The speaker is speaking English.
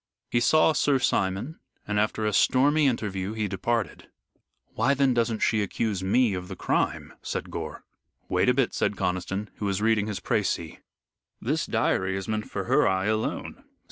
He saw Sir Simon and after a stormy interview he departed. "Why then doesn't she accuse me of the crime?" said Gore. "Wait a bit," said Conniston, who was reading his precis. "This diary is meant for her eye alone.